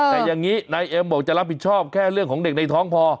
แต่อย่างนี้นายเอ็มบอกจะรับผิดชอบแค่เรื่องของเด็กในท้องพอ